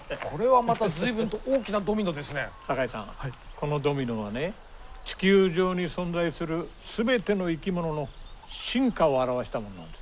このドミノはね地球上に存在する全ての生き物の進化を表したものなんです。